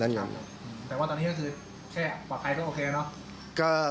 แต่ว่าตอนนี้ก็คือแค่ปลอดภัยก็โอเคเนอะ